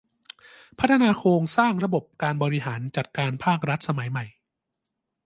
พัฒนาโครงสร้างระบบการบริหารจัดการภาครัฐสมัยใหม่